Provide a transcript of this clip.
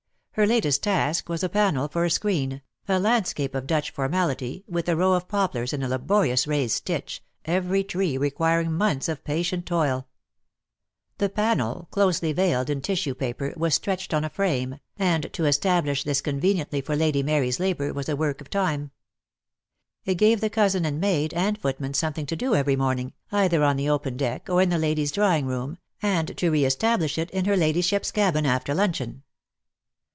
Her latest task was a panel for a screen, a landscape of Dutch formality, with a row of poplars in a laborious raised stitch, every tree requiring months of patient toil. The panel, closely ?0 DEAD LOVE HAS CHAINS. veiled in tissue paper, was stretched on a frame, and to establish this conveniently for Lady Mary's, labour was a work of time. It gave the cousin and maid and footman something to do every morning, either on the open deck or in the ladies' drawing room, and to re establish it in her ladyship's cabin after luncheon.